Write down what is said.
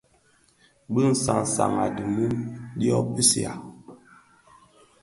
Bi san san a di mum dyō kpusiya.